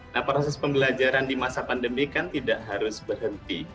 nah proses pembelajaran di masa pandemi kan tidak harus berhenti